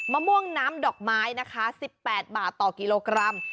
มะม่วงน้ำดอกไม้นะคะ๑๘บาทต่อกิโลกรัม